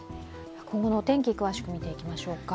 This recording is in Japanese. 今後のお天気、詳しく見ていきましょうか。